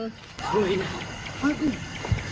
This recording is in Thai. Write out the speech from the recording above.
ล่อยนะ